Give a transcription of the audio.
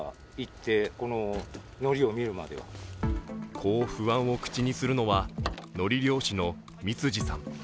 こう不安を口にするのはのり漁師の三辻さん。